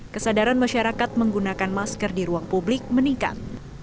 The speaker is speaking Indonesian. kesadaran masyarakat menggunakan masker di ruang publik meningkat